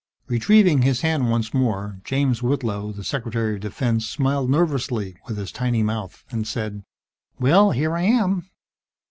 Retrieving his hand once more, James Whitlow, the Secretary of Defense, smiled nervously with his tiny mouth, and said, "Well, here I am."